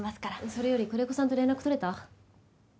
それより久連木さんと連絡取れた？